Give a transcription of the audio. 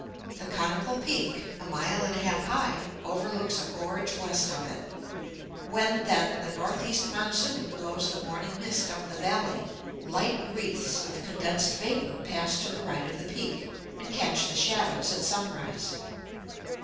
The conical peak, a mile and a half high, overlooks a gorge west of it. When, then, the north east monsoon blows the morning mist up the valley, light wreaths of condensed vapour pass to the right of the Peak, and catch the shadows at sunrise.